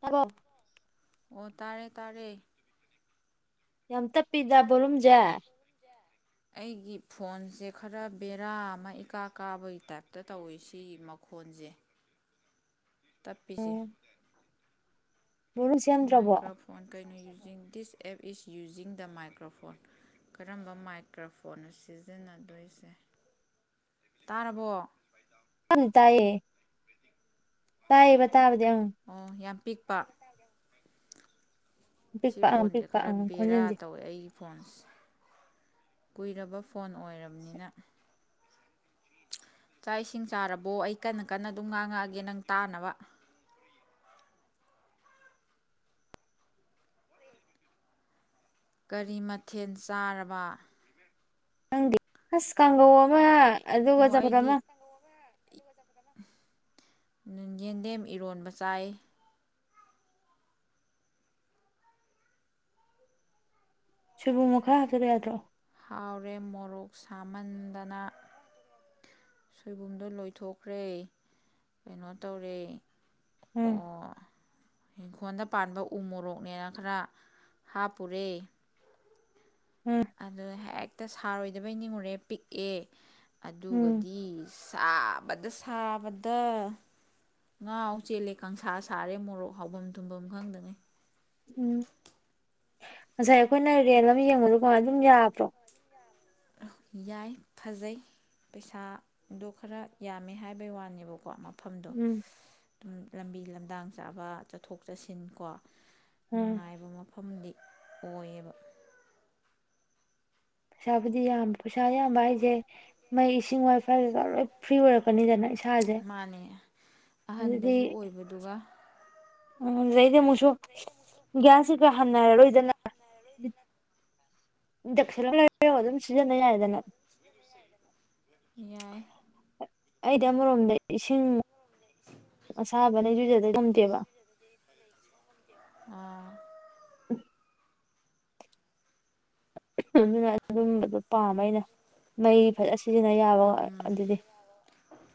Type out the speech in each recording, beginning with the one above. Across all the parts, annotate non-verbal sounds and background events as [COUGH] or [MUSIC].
ꯇꯥꯕ꯭ꯔꯦ ꯑꯣ ꯇꯥꯔꯦ ꯇꯥꯔꯦ ꯌꯥꯝ ꯇꯞꯄꯤꯗ ꯕꯣꯂꯨꯝꯖꯦ ꯑꯩꯒꯤ ꯐꯣꯟꯁꯦ ꯈꯔ ꯕꯦꯔꯥ ꯑꯃ ꯏꯀꯥ ꯀꯥꯕꯒꯤ ꯇꯥꯏꯞꯇ ꯇꯧꯋꯤ ꯁꯤꯒꯤ ꯃꯈꯣꯟꯖꯦ ꯇꯞꯄꯤꯁꯦ ꯎꯝ ꯕꯣꯂꯨꯝ ꯁꯦꯝꯗ꯭ꯔꯕꯣ ꯃꯥꯏꯀ꯭ꯔꯐꯣꯟ ꯀꯩꯅꯣ using this app is using the microphone ꯀꯔꯝꯕ ꯃꯥꯏꯀ꯭ꯔꯣꯐꯣꯟꯅ ꯁꯤꯖꯤꯟꯅꯗꯣꯏꯁꯦ ꯇꯥꯔꯕꯣ ꯇꯥꯕꯨꯗꯤ ꯇꯥꯏꯌꯦ ꯇꯥꯏꯌꯦꯕ ꯇꯕꯗꯤ ꯑꯪ ꯑꯣ ꯌꯥꯝ ꯄꯤꯛꯄ ꯁꯤ ꯄꯤꯛꯄ ꯑꯪ ꯐꯣꯟꯁꯦ ꯄꯤꯛꯄ ꯈꯔ ꯑꯪ ꯕꯦꯔꯥ ꯈꯣꯟꯖꯦꯜꯁꯦ ꯇꯧꯋꯦ ꯑꯩꯒꯤ ꯐꯣꯟꯁꯦ ꯀꯨꯏꯔꯕ ꯐꯣꯟ ꯑꯣꯏꯔꯃꯤꯅ ꯆꯥꯛ ꯏꯁꯤꯡ ꯆꯥꯔꯕꯣ ꯑꯩ ꯀꯟꯅ ꯀꯟꯅ ꯑꯗꯨꯝ ꯉꯥꯡꯉꯛꯑꯒꯦ ꯅꯪ ꯇꯥꯅꯕ ꯀꯔꯤ ꯃꯊꯦꯜ ꯆꯥꯔꯕ ꯅꯪꯗꯤ ꯑꯁ ꯀꯥꯡꯒꯧ ꯑꯃ ꯑꯣ ꯑꯗꯨꯒ ꯆꯝꯐꯨꯗ ꯑꯩꯗꯤ ꯑꯃ ꯌꯦꯟꯗꯦꯝ ꯏꯔꯣꯟꯕ ꯆꯥꯏ ꯁꯣꯏꯕꯨꯝꯃ ꯈꯔ ꯍꯥꯞꯆꯔ ꯌꯥꯗ꯭ꯔꯣ ꯍꯥꯎꯔꯦ ꯃꯣꯔꯣꯛ ꯁꯥꯃꯟꯗꯅ ꯁꯣꯏꯕꯨꯝꯗꯣ ꯂꯣꯏꯊꯣꯛꯈ꯭ꯔꯦ ꯀꯩꯅꯣ ꯇꯧꯔꯦ ꯎꯝ ꯑꯣ ꯏꯪꯈꯣꯜꯗ ꯄꯥꯟꯕ ꯎ ꯃꯣꯔꯣꯛꯅꯦꯅ ꯈꯔ ꯍꯥꯞꯄꯨꯔꯦ ꯎꯝ ꯑꯗ ꯍꯦꯛ ꯇ ꯁꯥꯔꯣꯏꯗꯕꯣꯏ ꯅꯤꯡꯉꯨꯔꯦ ꯄꯤꯛꯑꯦ ꯎꯝ ꯑꯗꯨꯒꯗꯤ ꯁꯥꯕꯗ ꯁꯥꯕꯗ ꯉꯥꯥꯎ ꯆꯦꯜꯂꯦ ꯀꯥꯡꯪꯁꯥ ꯁꯥꯔꯦ ꯃꯣꯔꯣꯛ ꯍꯥꯎꯕꯝ ꯊꯨꯝꯕꯝ ꯈꯪꯗꯉꯩ ꯎꯝ ꯉꯁꯥꯏ ꯑꯩꯈꯣꯏꯅ ꯔꯦꯟ ꯑꯃ ꯌꯦꯡꯕꯗꯨꯀꯣ ꯑꯗꯨꯝ ꯌꯥꯗꯔꯣ ꯌꯥꯏ ꯐꯖꯩ ꯄꯩꯁꯥ ꯗꯣ ꯈꯔ ꯌꯥꯝꯃꯦ ꯍꯥꯏꯕꯩ ꯋꯥꯅꯦꯕꯀꯣ ꯃꯐꯝꯗꯣ ꯎꯝ ꯑꯗꯨꯝ ꯂꯝꯕꯤ ꯂꯝꯗꯥꯡ ꯆꯥꯕ ꯆꯠꯊꯣꯛ ꯆꯠꯁꯤꯟ ꯀꯣ ꯎꯝ ꯅꯨꯡꯉꯥꯏꯕ ꯃꯐꯝꯗꯤ ꯑꯣꯏꯌꯦꯕ ꯄꯩꯁꯥꯕꯨꯗꯤ ꯌꯥꯝ ꯄꯩꯁꯥ ꯌꯥꯝꯕ ꯍꯥꯏꯁꯦ ꯃꯩ ꯏꯁꯤꯡ ꯋꯥꯏ ꯐꯥꯏ ꯀꯩꯀꯥ ꯂꯣꯏ ꯐ꯭ꯔꯤ ꯑꯣꯏꯔꯛ ꯃꯥꯅꯦ ꯑꯗꯨꯗꯤ ꯑꯍꯟꯕꯁꯨ ꯑꯣꯏꯕꯗꯨꯒ ꯎꯝ ꯂꯩꯩꯗꯦ ꯃꯨꯁꯨ ꯒ꯭ꯌꯥꯟꯁꯤꯒ ꯍꯟꯅꯔꯔꯣꯏꯗꯅ ꯗꯈꯤ [INAUDIBLE] ꯀꯣ ꯑꯗꯨꯝ ꯁꯤꯖꯤꯟꯅꯕ ꯌꯥꯏꯗꯅ ꯌꯥꯏ ꯑꯩꯗꯤ ꯑꯃꯔꯣꯝꯗ ꯏꯁꯤꯡ ꯑꯁꯥꯕꯅ ꯏꯔꯨꯖꯗ꯭ꯔꯗꯤ ꯉꯝꯗꯦꯕ ꯑ ꯑꯗꯨꯅ ꯑꯗꯨꯝꯕꯗꯣ ꯄꯥꯝꯕ ꯑꯩꯅ ꯃꯩ ꯐꯖꯁ ꯁꯤꯖꯤꯟꯅ ꯌꯥꯕ ꯑꯗꯨꯗꯤ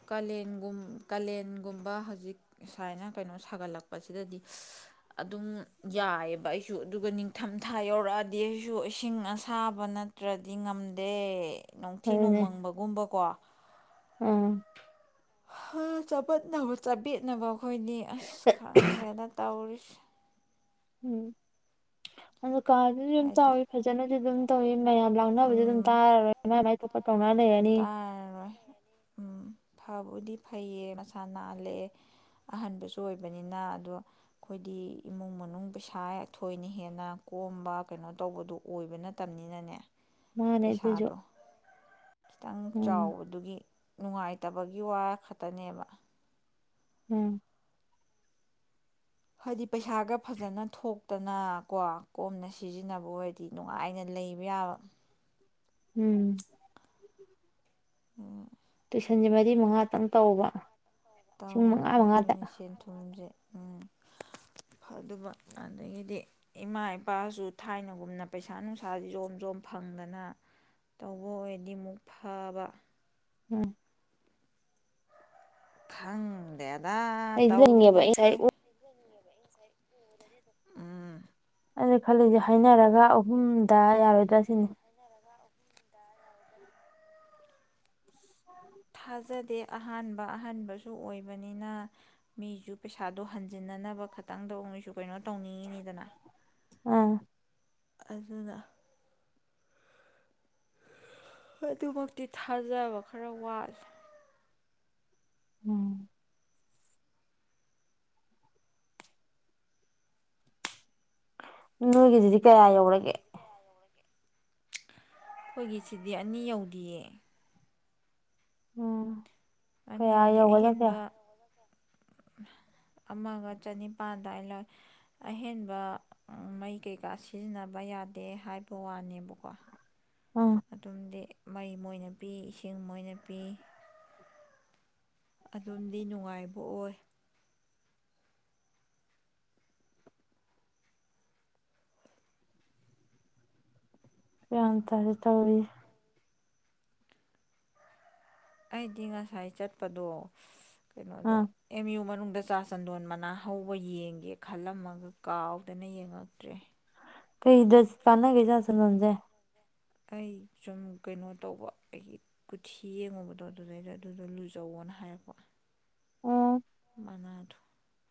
ꯀꯥꯂꯦꯟꯒꯨꯝ ꯀꯥꯂꯦꯟꯒꯨꯝꯕ ꯍꯧꯖꯤꯛ ꯁꯨꯃꯥꯏꯅ ꯀꯩꯅꯣ ꯁꯥꯒꯠꯂꯛꯄꯁꯤꯗꯗꯤ ꯑꯗꯨꯝ ꯌꯥꯏꯑꯕ ꯑꯩꯁꯨ ꯑꯗꯨꯒ ꯅꯤꯡꯊꯝꯊꯥ ꯌꯧꯔꯛꯑꯗꯤ ꯑꯩꯁꯨ ꯏꯁꯤꯡ ꯑꯁꯥꯕ ꯅꯠꯇ꯭ꯔꯗꯤ ꯉꯝꯗꯦ ꯅꯨꯡꯊꯤ ꯅꯣꯡꯃꯪꯕꯒꯨꯝꯕꯀꯣ ꯎꯝ ꯍꯥ ꯆꯕꯠꯅꯕ ꯆꯕꯦꯠꯅꯕ ꯑꯈꯣ ꯑꯩꯈꯣꯏꯗꯤ ꯑꯁ ꯈꯪꯗꯦꯅ ꯇꯧꯔꯤꯁ ꯎꯝ ꯑꯗ ꯀꯥꯗꯨꯁꯨ ꯌꯥꯝ ꯍꯥꯏꯗꯤ ꯆꯥꯎꯋꯤ ꯐꯖꯅꯗꯤ ꯑꯗꯨꯝ ꯇꯧꯏ ꯃꯌꯥꯝ ꯂꯥꯡꯅꯕꯗꯤ ꯑꯗꯨꯝ ꯇꯥꯔꯔꯣꯏ ꯇꯧꯅ ꯂꯩꯔꯅꯤ ꯇꯔꯔꯣꯏ ꯎꯝ ꯐꯕꯨꯗꯤ ꯐꯩꯌꯦ ꯃꯁꯥ ꯅꯥꯜꯦ ꯑꯍꯟꯕꯁꯨ ꯑꯣꯏꯕꯅꯤꯅ ꯑꯗꯣ ꯑꯩꯈꯣꯏꯗꯤ ꯏꯃꯨꯡ ꯃꯅꯨꯡ ꯄꯩꯁꯥ ꯊꯣꯏꯅ ꯍꯦꯟꯅ ꯀꯣꯝꯕ ꯀꯩꯅꯣ ꯇꯧꯕꯗꯣ ꯑꯣꯏꯕ ꯅꯠꯇꯕꯅꯤꯅꯅꯦ ꯃꯥꯅꯦ ꯑꯈꯣꯏꯖꯨ ꯄꯩꯁꯥꯗꯣ ꯈꯤꯇꯪ ꯆꯥꯎꯕꯗꯨꯒꯤ ꯅꯨꯡꯉꯥꯏꯇꯕꯒꯤ ꯋꯥ ꯈꯛꯇꯅꯦꯕ ꯎꯝ ꯍꯥꯏꯗꯤ ꯄꯩꯁꯥꯒ ꯐꯖꯅ ꯊꯣꯛꯇꯅ ꯀꯣ ꯀꯣꯝꯅ ꯁꯤꯖꯤꯟꯅꯕ ꯑꯣꯏꯔꯗꯤ ꯅꯨꯡꯉꯥꯏꯅ ꯂꯩꯕ ꯌꯥꯕ ꯎꯝ ꯑꯣ ꯁꯟꯁ ꯃꯔꯤ ꯃꯉꯥꯇꯪ ꯇꯧꯕ ꯂꯤꯁꯤꯡ ꯃꯉꯥ ꯇꯧꯔꯗꯤ ꯃꯉꯥꯗ ꯑꯗꯨꯅꯦ ꯁꯦꯟꯊꯨꯝꯁꯦ ꯎꯝ ꯐ ꯑꯗꯨꯕ ꯑꯗꯒꯤꯗꯤ ꯏꯃꯥ ꯏꯄꯥꯁꯨ ꯊꯥꯏꯅꯒꯨꯝꯅ ꯄꯩꯁꯥ ꯅꯨꯡꯁꯥꯁꯤ ꯖꯣꯝ ꯖꯣꯝ ꯐꯪꯗꯅ ꯇꯧꯕ ꯑꯣꯏꯔꯗꯤ ꯑꯃꯨꯛ ꯐꯕ ꯎꯝ ꯈꯪꯗꯦ ꯗ ꯂꯩꯗꯤ ꯂꯩꯅꯤꯡꯉꯦꯕ ꯑꯩ ꯇꯧꯔꯤꯕꯁꯦ ꯉꯁꯥꯏ ꯎꯝ ꯑꯩꯅ ꯈꯜꯂꯤꯁꯦ ꯍꯥꯏꯅꯔꯒ ꯑꯍꯨꯝꯗ ꯌꯥꯔꯣꯏꯗ꯭ꯔꯥ ꯁꯤꯅꯤ ꯊꯥꯖꯗꯦ ꯑꯍꯥꯟꯕ ꯑꯍꯥꯟꯕꯁꯨ ꯑꯣꯏꯕꯅꯤꯅ ꯃꯤꯁꯨ ꯄꯩꯁꯥꯗꯣ ꯍꯟꯖꯤꯟꯅꯅꯕ ꯈꯇꯪꯗ ꯑꯣꯏꯁꯨ ꯀꯩꯅꯣ ꯇꯧꯅꯤꯡꯉꯤꯅꯤꯗꯅ ꯑꯥ ꯑꯗꯨꯅ ꯑꯗꯨꯃꯛꯇꯤ ꯊꯥꯖꯕ ꯈꯔ ꯋꯥꯠꯂꯦ ꯎꯝ ꯅꯣꯏꯒꯤꯗꯨꯗꯤ ꯀꯌꯥ ꯌꯧꯔꯒꯦ ꯑꯩꯈꯣꯏꯒꯤ ꯁꯤꯗꯤ ꯑꯅꯤ ꯌꯧꯗꯤꯌꯦ ꯎꯝ ꯑꯅꯤ ꯀꯌꯥ ꯌꯧꯗꯦ ꯌꯧꯕꯅ ꯀꯌꯥ ꯑꯍꯦꯟꯕ ꯑꯃꯒ ꯆꯅꯤꯄꯥꯜꯗ ꯑꯗꯥꯏꯅ ꯂꯧꯋꯦ ꯑꯍꯦꯟꯕ ꯃꯩ ꯀꯩꯀꯥ ꯁꯤꯖꯤꯟꯅꯕ ꯌꯥꯗꯦ ꯍꯥꯏꯕ ꯋꯥꯅꯦꯕꯀꯣ ꯎꯝ ꯑꯗꯨꯝꯗꯤ ꯃꯩ ꯃꯣꯏꯅ ꯄꯤ ꯏꯁꯤꯡ ꯃꯣꯏꯅ ꯄꯤ ꯑꯗꯨꯝꯗꯤ ꯅꯨꯡꯉꯥꯏꯕ ꯑꯣꯏ ꯌꯥꯝ ꯐꯔꯦ ꯇꯧꯋꯤꯖꯦ ꯑꯩꯗꯤ ꯉꯁꯥꯏ ꯆꯠꯄꯗꯣ ꯀꯩꯅꯣꯗꯣ ꯑꯥ ꯑꯦꯝ ꯌꯨ ꯃꯅꯨꯡ ꯗ ꯆꯥ ꯆꯟꯗꯣꯟ ꯃꯅꯥ ꯍꯧꯕ ꯌꯦꯡꯒꯦ ꯈꯜꯂꯝꯃꯒ ꯀꯥꯎꯗꯅ ꯌꯦꯡꯉꯛꯇ꯭ꯔꯦ ꯀꯩꯗ ꯀꯥꯟꯅꯒꯦ ꯆꯥ ꯆꯟꯗꯣꯟꯖꯦ ꯑꯩ ꯁꯨꯝ ꯀꯩꯅꯣ ꯇꯧꯕ ꯑꯩꯒꯤ ꯀꯨꯊꯤ ꯌꯦꯡꯉꯨꯕꯗꯣ ꯑꯗꯨꯗꯩꯗ ꯑꯗꯨꯗꯣ ꯂꯨꯖꯧꯋꯣꯅ ꯍꯥꯏꯔꯛꯄ ꯑꯣ [UNINTELLIGIBLE]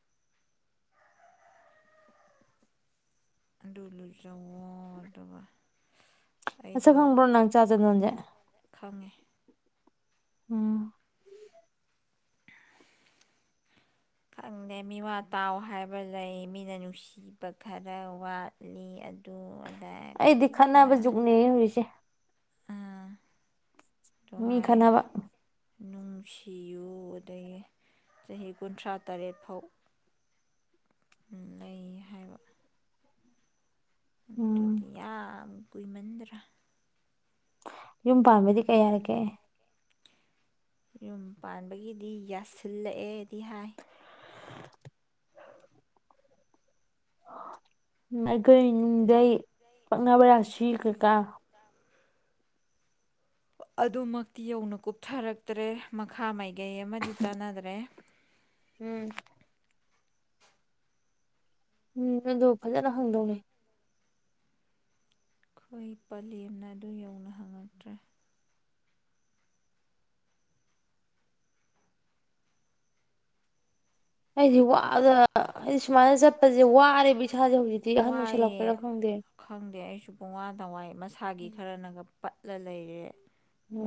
ꯂꯨꯖꯧꯋꯣ ꯑꯗꯨꯒ ꯃꯁꯛ ꯑꯩꯗꯣ ꯈꯪꯕ꯭ꯔꯣ ꯅꯪ ꯆꯥ ꯆꯗꯣꯟꯁꯦ ꯈꯪꯉꯦ ꯎꯝ ꯈꯪꯗꯦ ꯃꯤꯋꯥꯇꯥꯎ ꯍꯥꯏꯕ ꯂꯩ ꯃꯤꯅ ꯅꯨꯡꯁꯤꯕ ꯈꯔ ꯋꯥꯠꯂꯤ ꯨ ꯑꯗꯨ ꯑꯗꯥ ꯑꯩꯗꯤ ꯀꯔꯤ ꯈꯠꯅꯕ ꯀꯔꯥ ꯖꯨꯛꯅꯦ ꯍꯧꯖꯤꯛꯁꯦ ꯑꯥ ꯑꯗꯨ ꯃꯤ ꯍꯥꯏ ꯈꯠꯅꯕ ꯅꯨꯡꯁꯤꯌꯨ ꯑꯗꯒꯤ ꯆꯍꯤ ꯀꯨꯟꯊ꯭ꯔꯥ ꯇꯔꯦꯠ ꯐꯥꯎ ꯂꯩ ꯍꯥꯏꯕ ꯎꯝ ꯑꯗꯨꯗꯤ ꯌꯥꯝ ꯀꯨꯏꯃꯟꯗ꯭ꯔꯥ ꯌꯨꯝ ꯄꯥꯟꯕꯩꯗꯤ ꯀꯩ ꯍꯥꯏꯔꯛꯀꯦ ꯌꯨꯝ ꯄꯥꯟꯕꯒꯤꯗꯤ ꯌꯥꯁꯤꯜꯂꯛꯑꯦꯗꯤ ꯍꯥꯏ ꯅꯈꯣꯏꯗꯩ ꯄꯛꯅꯕ ꯔꯥꯁꯤ ꯀꯩꯀꯥ ꯑꯗꯨꯃꯛꯇꯤ ꯌꯧꯅ ꯀꯨꯞꯊꯔꯛꯇ꯭ꯔꯦ ꯃꯈꯥ ꯃꯥꯏ ꯀꯩ ꯑꯃꯗꯤ ꯆꯥꯟꯅꯗ꯭ꯔꯦ ꯎꯝ ꯎꯝ ꯑꯗꯨ ꯐꯖꯅ ꯍꯪꯗꯧꯅꯤ ꯑꯩꯈꯣꯏ ꯄꯂꯦꯝꯅ ꯑꯗꯨ ꯌꯧꯅ ꯍꯪꯉꯛꯇ꯭ꯔꯦ ꯑꯩꯗꯤ ꯋꯥ ꯋꯥꯔꯦꯕ ꯏꯁꯥꯁꯦ ꯍꯧꯖꯤꯛꯇꯤ ꯑꯍꯟ ꯑꯣꯏꯁꯜꯂꯛꯄꯩꯔꯥ ꯋꯥꯏꯑꯦ ꯈꯪꯗꯦ ꯈꯪꯗꯦ ꯑꯩꯁꯨ ꯄꯨꯡꯋꯥꯅ ꯋꯥꯏ ꯃꯁꯥꯒꯤ ꯈꯔꯅꯒ ꯄꯠ ꯂ ꯂꯩꯔꯦ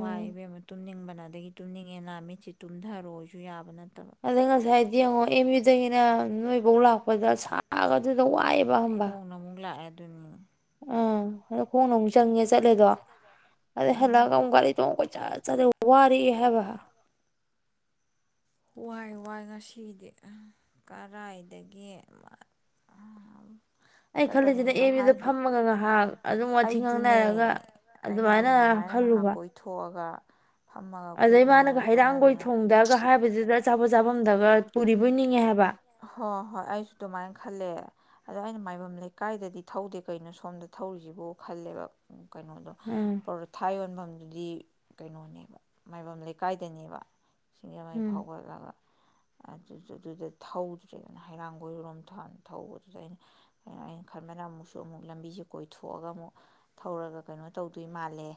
ꯋꯥꯏ ꯏꯕꯦꯝꯃ ꯇꯨꯝꯅꯤꯡꯕꯅ ꯑꯗꯒꯤ ꯇꯨꯝꯅꯤꯡ ꯑꯦꯅ ꯃꯤꯠꯁꯤ ꯇꯨꯝꯗꯔꯣꯁꯨ ꯌꯥꯕ ꯅꯠ ꯑꯗꯩ ꯉꯁꯥꯏꯗꯤ ꯌꯦꯡꯉꯣ ꯑꯦꯝ ꯌꯨ ꯗꯒꯤꯅ ꯅꯣꯏ ꯕꯧ ꯂꯥꯛꯄꯗ ꯁꯥꯒꯗꯨꯗ ꯋꯥꯏꯑꯦꯕ ꯈꯣꯡꯅ ꯑꯃꯨ ꯂꯥꯛ ꯑꯦ ꯑꯗꯨꯅ ꯑ ꯈꯣꯡꯅ ꯃꯨꯛ ꯆꯪꯉꯦ ꯆꯠꯂꯦꯗꯣ ꯑꯗꯩ ꯍꯜꯂꯛꯑꯒ ꯑꯃꯨꯛ ꯒꯥꯔꯤ ꯇꯣꯡꯉ ꯀꯣꯏꯆꯠ ꯆꯠꯂꯦ ꯋꯥꯔꯛꯑꯦ ꯍꯥꯏꯕ ꯋꯥꯏ ꯋꯥꯏ ꯉꯁꯤꯗꯤ ꯀꯔꯥꯏꯗꯒꯤ ꯑꯩ ꯈꯜꯂꯤꯁꯤꯗ ꯆꯠꯀꯅꯤꯁꯨ ꯑꯦꯝ ꯌꯨꯗ ꯍꯥꯏꯗꯦ ꯐꯝꯃꯒ ꯉꯥꯏꯍꯥꯛ ꯑꯗꯨꯝ ꯋꯥꯊꯤ ꯑꯩꯁꯨꯅꯦ ꯉꯥꯡꯅꯔꯒ ꯑꯩꯁꯨꯅꯦ ꯑꯗꯨꯃꯥꯏꯅ ꯉꯥꯏꯍꯥꯛ ꯈꯜꯂꯨꯕ ꯀꯣꯏꯊꯣꯛꯑꯒ ꯐꯝꯃꯒ ꯑꯩꯈꯣꯏ ꯑꯗꯩ ꯎꯅ ꯃꯥꯅꯒ ꯍꯩꯔꯥꯡꯒꯣꯏ ꯊꯣꯡꯗꯒ ꯍꯥꯏꯕꯗꯨꯗ ꯑꯆꯥꯄꯣꯠ ꯆꯥꯐꯝꯗꯒ ꯄꯨꯔꯤꯕꯣꯏ ꯅꯤꯡꯉꯦ ꯍꯥꯏꯕ ꯍꯣ ꯍꯣꯏ ꯑꯩꯁꯨ ꯑꯗꯨꯃꯥꯏꯅ ꯈꯜꯂꯦ ꯑꯗꯣ ꯑꯩꯅ ꯃꯥꯏꯕꯝ ꯂꯩꯀꯥꯏꯗꯗꯤ ꯊꯧꯗꯦ ꯀꯩꯅꯣ ꯁꯣꯝꯗ ꯊꯧꯔꯤꯁꯤꯕꯨ ꯈꯜꯂꯦꯕ ꯎꯝ ꯀꯩꯅꯣꯗꯣ ꯎꯝ ꯄꯔꯣ ꯊꯥ ꯌꯣꯟꯕꯝ ꯑꯗꯨꯗꯤ ꯀꯩꯅꯣꯅꯦꯕ ꯃꯥꯏꯕꯝ ꯂꯩꯀꯥꯏꯗꯅꯦꯕ ꯎꯝ ꯍꯧꯒꯠꯂꯒ ꯑꯗꯨ ꯑꯗꯨꯗ ꯊꯧꯗ꯭ꯔꯦꯅ ꯍꯩꯔꯥꯡꯒꯣꯏꯔꯣꯝ ꯇꯥꯅ ꯊꯧꯕꯗꯨꯗ ꯑꯩꯅ ꯀꯣ ꯑꯩꯅ ꯈꯟꯕꯅ ꯑꯃꯨꯛꯁꯨ ꯑꯃꯨꯛ ꯂꯝꯕꯤꯁꯦ ꯀꯣꯏꯊꯣꯛꯑꯒ ꯑꯃꯨꯛ ꯊꯧꯔꯒ ꯀꯩꯅꯣ ꯇꯧꯗꯣꯏ ꯃꯥꯜꯂꯦ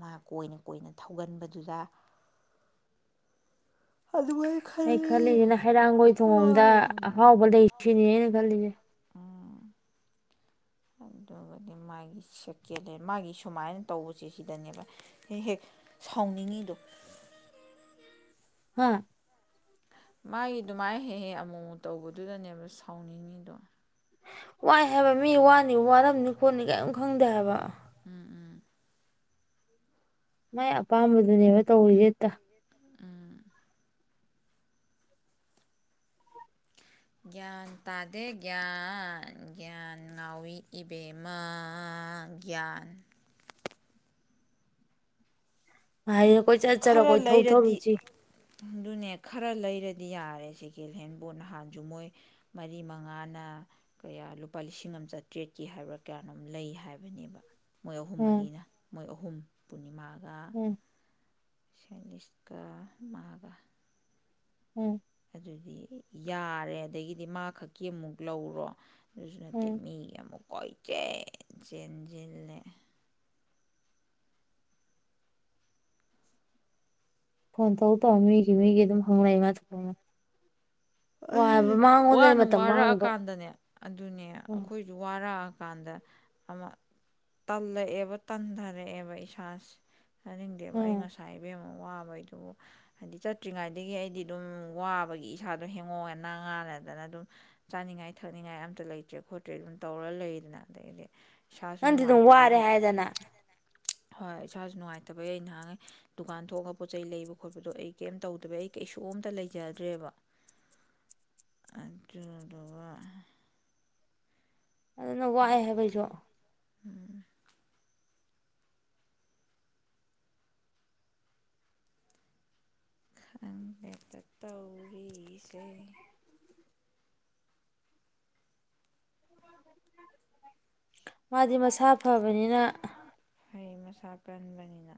ꯃꯥ ꯀꯣꯏꯅ ꯀꯣꯏꯅ ꯊꯧꯒꯟꯕꯗꯨꯗ ꯑꯗꯨꯃꯥꯏꯅ ꯑꯩ ꯈꯜꯂꯤ ꯈꯜꯂꯤꯁꯤꯅ ꯍꯩꯔꯥꯡꯒꯣꯏ ꯊꯣꯡꯗ ꯑꯍꯥꯎꯕ ꯂꯩꯁꯤꯅꯤꯅꯦ ꯑꯩꯅ ꯈꯜꯂꯤꯁꯦ ꯑꯗꯨꯒꯗꯤ ꯃꯥꯒꯤ ꯁꯦꯀꯦꯟ ꯍꯦꯟ ꯃꯥꯒꯤ ꯁꯨꯃꯥꯏꯅ ꯇꯧꯕꯁꯦ ꯁꯤꯗꯅꯦꯕ ꯍꯦꯛ ꯍꯦꯛ ꯁꯥꯎꯅꯤꯡꯉꯤꯗꯨ ꯍꯥ ꯃꯥꯒꯤ ꯑꯗꯨꯃꯥꯏꯅ ꯍꯦꯛ ꯍꯦꯛ ꯑꯃꯨꯨꯛ ꯇꯧꯕꯗꯨꯗꯅꯦꯕ ꯁꯥꯎꯅꯤꯡꯉꯤꯗꯣ ꯋꯥꯏ ꯍꯥꯏꯕ ꯃꯤ ꯋꯥꯅꯤ ꯋꯥꯔꯝꯅꯤ ꯈꯣꯠꯅꯤ ꯀꯔꯤꯝ ꯈꯪꯗꯦ ꯍꯥꯏꯕ ꯎꯝ ꯎꯝ ꯃꯥꯏ ꯑꯄꯥꯝꯕꯗꯨꯅꯦꯕ ꯇꯧꯔꯤꯁꯦ ꯍꯦꯛꯇ ꯒ꯭ꯌꯥꯟ ꯇꯥꯗꯦ ꯒ꯭ꯌꯥꯟ ꯒ꯭ꯌꯥꯟ ꯉꯥꯎꯋꯤ ꯏꯕꯦꯝꯃ ꯒ꯭ꯌꯥꯟ ꯍꯥꯏꯗ ꯀꯣꯏꯆꯠ ꯆꯠꯂ ꯈꯔ ꯀꯣꯏꯊꯧ ꯂꯩꯔꯗꯤ ꯊꯧꯔꯨꯁꯤ ꯑꯗꯨꯅꯦ ꯈꯔ ꯂꯩ ꯂꯩꯔꯗꯤ ꯌꯥꯔꯦ ꯁꯦꯀꯦꯟ ꯍꯦꯟꯕꯨ ꯅꯍꯥꯟꯁꯨ ꯃꯣꯏ ꯃꯔꯤ ꯃꯉꯥꯅ ꯀꯌꯥ ꯂꯨꯄꯥ ꯂꯤꯁꯤꯡ ꯑꯃ ꯆꯥꯇ꯭ꯔꯦꯠꯀꯤ ꯍꯥꯏꯕ꯭ꯔꯥ ꯀꯌꯥꯅꯣꯝ ꯂꯩ ꯍꯥꯏꯕꯅꯦꯕ ꯃꯣꯏ ꯑꯍꯨꯝ ꯎꯝ ꯃꯔꯤꯅ ꯃꯣꯏ ꯑꯍꯨꯝ ꯄꯨꯅꯤꯃꯥꯒ ꯎꯝ ꯀꯅꯤꯁꯀ ꯃꯥꯒ ꯎꯝ ꯌꯥꯔꯦ ꯑꯗꯒꯤꯗꯤ ꯃꯥ ꯈꯛꯀꯤ ꯑꯃꯨꯛ ꯂꯧꯔꯣ [UNINTELLIGIBLE] ꯅꯠꯇꯦ ꯎꯝ ꯃꯤ ꯑꯃꯨꯛ ꯀꯣꯏꯆꯦꯟ ꯆꯦꯟꯖꯤꯜꯂꯦ ꯐꯣꯟ ꯇꯧ ꯇꯧ ꯃꯤꯒꯤ ꯃꯤꯒꯤ ꯑꯗꯨꯝ ꯍꯪꯂꯩ ꯃꯥ ꯊꯣꯛꯄꯃ ꯑꯩ ꯋꯥꯅ ꯃꯥꯡꯉꯤꯗꯣ ꯋꯥꯔꯛꯑꯀꯥꯟꯗꯅꯦ ꯑꯗꯨꯅꯦ ꯎꯝ ꯑꯩꯈꯣꯏꯁꯨ ꯋꯥꯔꯛꯑ ꯀꯥꯟꯗ ꯑꯃ ꯇꯜꯂꯛꯑꯦꯕ ꯇꯟꯊꯔꯛꯑꯦꯕ ꯏꯁꯥꯁꯦ ꯆꯥꯅꯤꯡꯗꯦꯕ ꯑꯩ ꯎꯝ ꯉꯁꯥꯏ ꯏꯕꯦꯝꯃ ꯋꯥꯕꯩ ꯑꯗꯨꯕꯨ ꯍꯥꯏꯗꯤ ꯆꯠꯇ꯭ꯔꯤꯉꯩꯗꯒꯤ ꯑꯩꯗꯤ ꯑꯗꯨꯝ ꯋꯥꯕꯒꯤ ꯏꯁꯥꯗ ꯑꯗ ꯍꯦꯡꯉꯣꯉꯦ ꯅꯥ ꯉꯥꯅꯗꯅ ꯑꯗꯨꯝ ꯆꯥꯅꯤꯡꯉꯥꯏ ꯊꯛꯅꯤꯡꯉꯥꯏ ꯑꯝꯇ ꯂꯩꯇ꯭ꯔꯦ ꯈꯣꯠꯇ꯭ꯔꯦ ꯑꯗꯨꯝ ꯇꯧꯔ ꯂꯩꯗꯅ ꯑꯗꯒꯤꯗꯤ ꯏꯁꯥꯁꯨ ꯅꯪꯗ ꯗꯨꯝ ꯋꯥꯔꯦ ꯅꯨꯡꯉꯥꯏꯇꯕꯒꯤ ꯍꯥꯏꯗꯅ ꯍꯣꯏ ꯏꯁꯥꯁꯨ ꯅꯨꯡꯉꯥꯏꯇꯕꯩ ꯑꯩ ꯅꯍꯥꯟꯉꯩ ꯗꯨꯀꯥꯟ ꯊꯣꯛꯑꯒ ꯄꯣꯠ ꯆꯩ ꯂꯩꯕ ꯈꯣꯠꯄꯗꯣ ꯑꯩ ꯀꯔꯤꯝ ꯇꯧꯗꯕ ꯑꯩ ꯀꯩꯁꯨꯝꯇ ꯂꯩꯖꯗ꯭ꯔꯦꯕ ꯑꯗꯨꯗꯨꯒ ꯑꯗꯨꯅ ꯋꯥꯑꯦ ꯍꯥꯏꯕꯩꯁꯨ ꯎꯝ ꯈꯟꯕꯦꯛꯇ ꯇꯧꯔꯤꯁꯦ [UNINTELLIGIBLE] ꯃꯥꯗꯤ ꯃꯁꯥ ꯐꯕꯅꯤꯅ ꯁꯥ ꯀꯟꯕꯅꯤꯅ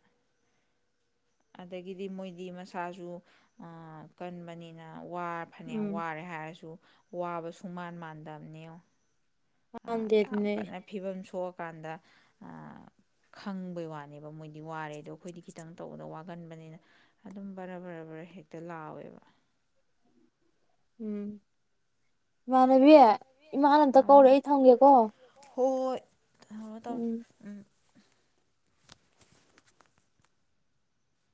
ꯑꯗꯒꯤꯗꯤ ꯃꯣꯏꯗꯤ ꯃꯁꯥꯁꯨ ꯑ ꯀꯟꯕꯅꯤꯅ ꯋꯥ ꯐꯅ꯭ꯌꯥꯝ ꯎꯝ ꯋꯥꯔꯦ ꯍꯥꯏꯔꯁꯨ ꯋꯥꯕꯁꯨꯨꯡ ꯃꯥꯟ ꯃꯥꯟꯗꯕꯅꯦ ꯌꯦꯡꯉꯣ [UNINTELLIGIBLE] ꯀꯥꯟꯗ ꯈꯪꯕꯩ ꯑ ꯋꯥꯅꯦꯕ ꯃꯣꯏꯗꯤ ꯋꯥꯔꯦ ꯑꯗꯣ ꯑꯩꯈꯣꯏꯗꯤ ꯈꯤꯇꯪ ꯇꯧꯕꯗ ꯋꯥꯒꯟꯕꯅꯤꯅ ꯑꯗꯨꯝ ꯕꯔ ꯕꯔ ꯕꯔ ꯍꯦꯛꯇ ꯂꯥꯎꯋꯦꯕ ꯎꯝ ꯃꯥꯅꯕꯤ ꯏꯃꯥꯅꯇ ꯀꯧꯔ ꯑꯩ ꯊꯪꯒꯦꯀꯣ ꯍꯣ ꯍꯣꯍꯣꯏ ꯊꯝꯃꯣ ꯊꯝꯃꯣ ꯎꯝ